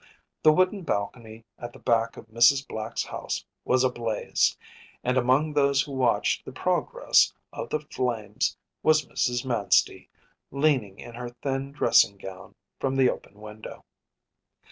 The wooden balcony at the back of Mrs. Black’s house was ablaze, and among those who watched the progress of the flames was Mrs. Manstey, leaning in her thin dressing gown from the open window.